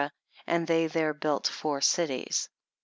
and they there built four cities."